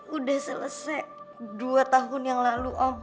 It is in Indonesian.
udah selesai dua tahun yang lalu om